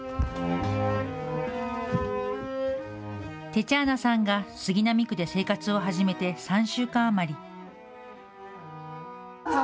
テチャーナさんが杉並区で生活を始めて３週間余り。